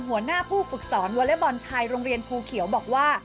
หัวหน้าผู้ฝึกสอนวอเล็กบอลชายโรงเรียนภูเขียวบอกว่า